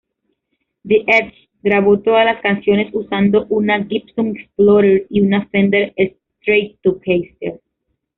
The Edge grabó todas las canciones usando una Gibson Explorer y una Fender Stratocaster.